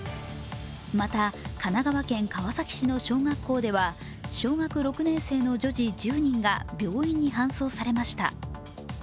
また、神奈川県川崎市の小学校では小学６年生の女児１０人が病院に搬送されました。